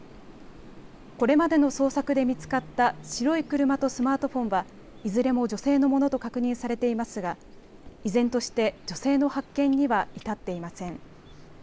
これまでの捜索で見つかった白い車とスマートフォンはいずれも女性のものと確認されていますが依然として女性の発見には至っていません。